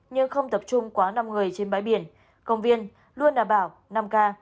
nhưng không tập trung quá năm người trên bãi biển công viên luôn đảm bảo năm k